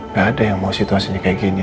nggak ada yang mau situasinya kayak gini